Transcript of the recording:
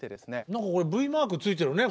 何かこれＶマーク付いてるね